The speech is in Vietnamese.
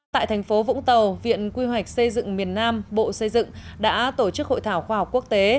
tại thành phố vũng tàu viện quy hoạch xây dựng miền nam bộ xây dựng đã tổ chức hội thảo khoa học quốc tế